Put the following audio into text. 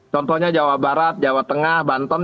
contohnya jawa barat jawa tengah banten